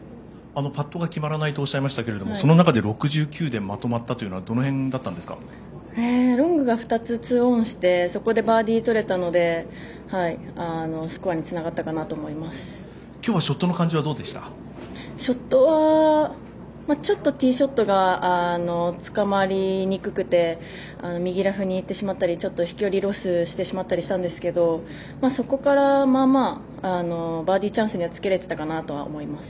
パットが決まらないとおっしゃってましたけどその中で６９でまとまったというのはロングが２つ、２オンしてそこでバーディーとれたのでスコアに今日はショットの感じはショットはちょっとティーショットがつかまりにくくて右ラフにいってしまったり飛距離ロスしてしまったんですけどそこから、まあまあバーディーチャンスにはつけれてたかなと思います。